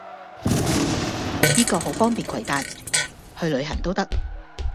依個好方便携帶，去旅行都得